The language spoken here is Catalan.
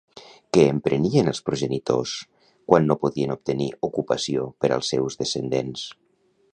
Què emprenien els progenitors quan no podien obtenir ocupació per als seus descendents?